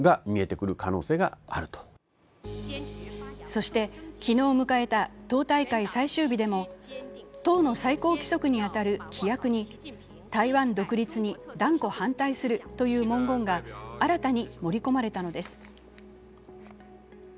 そして、昨日迎えた党大会最終日でも、党の最高規則である規約に「台湾独立に断固反対する」という文言が新たに盛り込まれたのです。